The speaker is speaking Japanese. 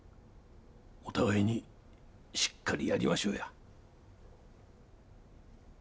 お互いにしっかりやりましょうや。